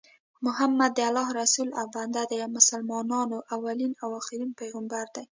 محمد د الله رسول او بنده دي او مسلمانانو اولين اخرين پیغمبر دي